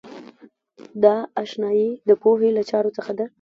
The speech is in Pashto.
دا آشنایۍ د پوهې له چارو څخه ده.